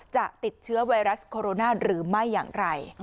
จะติดเชื้อไวรัสโคโรนาหรือไม่อย่างไร